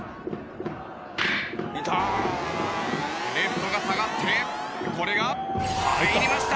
レフトが下がってこれが入りました。